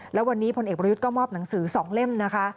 แล้ววันนี้พลเอกประยุทธ์ก็มอบหนังสือ๒เล่มนะคะ